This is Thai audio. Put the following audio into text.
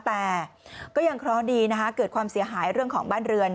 แต่ก็ยังเคราะห์ดีนะคะเกิดความเสียหายเรื่องของบ้านเรือน